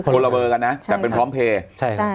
คนละเบอกันนะใช่ค่ะแต่เป็นพร้อมเพลย์ใช่ค่ะ